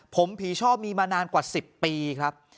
ผมผีชอบมีมานานกว่า๑๐ปีครับ